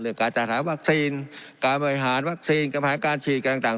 เรื่องการจัดหาวัคซีนการบริหารวัคซีนการผ่านการฉีดการต่างต่าง